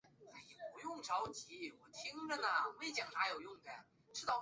听说是世界上最有公信力的奖